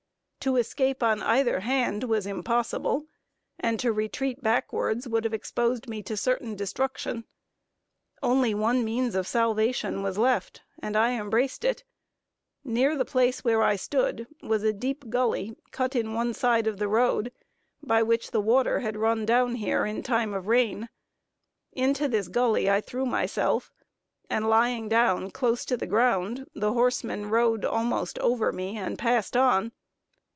To escape on either hand was impossible, and to retreat backwards would have exposed me to certain destruction. Only one means of salvation was left, and I embraced it. Near the place where I stood, was a deep gully cut in one side of the road, by the water which had run down here in time of rains. Into this gully I threw myself, and lying down close to the ground, the horsemen rode almost over me, and passed on.